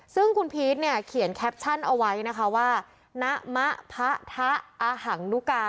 ซึ่งคุณพีชเนี่ยเขียนแคปชั่นเอาไว้นะคะว่าณมะพะทะอหังนุกา